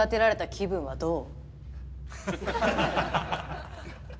気分はどう？